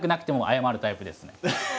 謝るタイプですね。